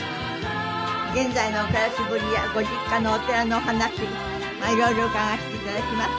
現在の暮らしぶりやご実家のお寺のお話色々伺わせて頂きます。